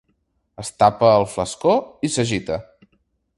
Es tapa el flascó i s'agita.